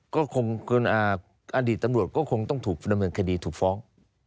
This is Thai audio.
ก็คงอดีตตำรวจก็คงต้องถูกดำเนินคดีถูกฟ้อง